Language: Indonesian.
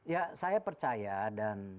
ya saya percaya dan